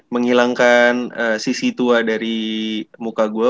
menghilangkan sisi tua dari muka gue